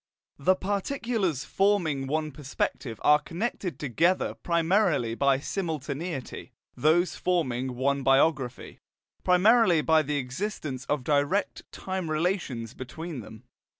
The particulars forming one perspective are connected together primarily by simultaneity; those forming one biography, primarily by the existence of direct time relations between them.